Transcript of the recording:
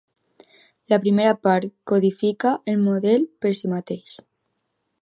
La primera part codifica el model per si mateix.